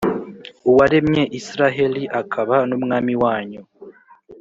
uwaremye israheli, nkaba n’umwami wanyu.